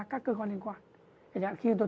các cơ quan liên quan để nhận khi chúng tôi